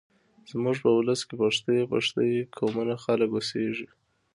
زموږ په ولس کې پښتۍ پښتۍ قومونه خلک اوسېږيږ